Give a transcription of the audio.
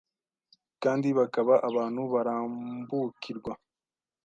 kandi bakaba abantu barambukirwa